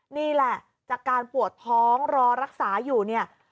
นี่แหละจากการปวดท้องรอรักษาอยู่เนี่ย